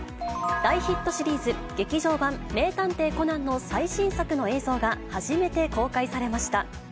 大ヒットシリーズ、劇場版名探偵コナンの最新作の映像が、初めて公開されました。